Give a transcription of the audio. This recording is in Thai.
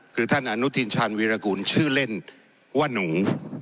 คือท่านอนุทินชาญวีรกูลชื่อเล่นว่าหนู